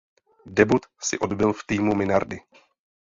Debut si odbyl v týmu Minardi.